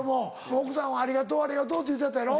奥さんはありがとうありがとうって言うてはったやろう？